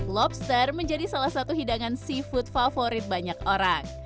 lobster menjadi salah satu hidangan seafood favorit banyak orang